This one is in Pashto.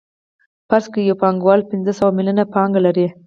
فرض کړئ یو پانګوال پنځه سوه میلیونه پانګه لري